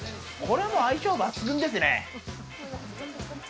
相性抜群ですね。